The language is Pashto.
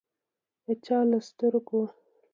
د چا له سترګو